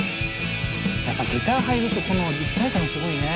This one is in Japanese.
やっぱギター入るとこの一体感がすごいね。